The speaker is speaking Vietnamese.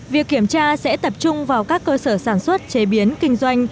việc kiểm tra sẽ tập trung vào các cơ sở sản xuất chế biến kinh doanh